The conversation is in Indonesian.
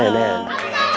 nah nah nah nah